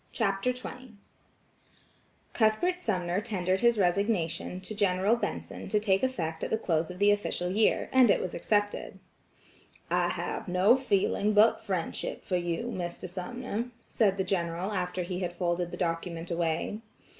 CHAPTER XX Cuthbert Sumner tendered his resignation to General Benson to take effect at the close of the official year, and it was accepted. "I have no feeling but friendship for you, Mr. Sumner," said the General after he had folded the document away.